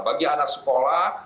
bagi anak sekolah